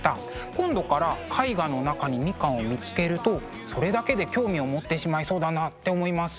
今度から絵画の中にみかんを見つけるとそれだけで興味を持ってしまいそうだなって思います。